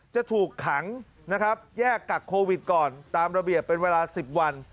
จะถูกขังนะครับแยกกักโควิดก่อนตามระเบียบเป็นเวลา๑๐วัน